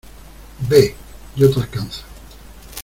¡ Ve! ¡ yo te alcanzo !